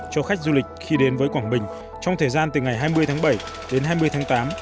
cho khách du lịch khi đến với quảng bình trong thời gian từ ngày hai mươi tháng bảy đến hai mươi tháng tám